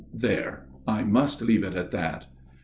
... There I must leave it that.